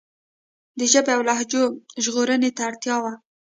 د ژبې او لهجو ژغورنې ته اړتیا وه.